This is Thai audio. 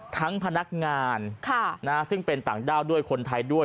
พนักงานซึ่งเป็นต่างด้าวด้วยคนไทยด้วย